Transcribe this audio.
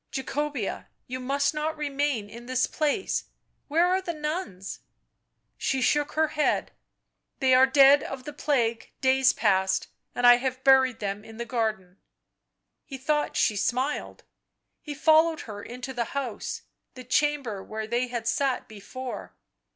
" Jacobea — you must not remain in this place !— where are the nuns?" She shook her head. " They are dead of the plague days past, and I have buried them in the garden." He thought she smiled ; he followed her into the house, the chamber where they had sat before.